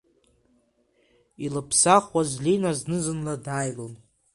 Илыԥсахуаз Лина зны-зынла дааилон.